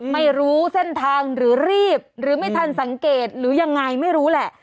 ไม่รู้เส้นทางหรือรีบหรือไม่ทันสังเกตหรือยังไงไม่รู้แหละ